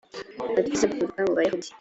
agakiza gaturuka mu bayahudi